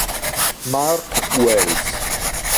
Mark Wells